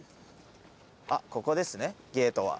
あっここですねゲートは。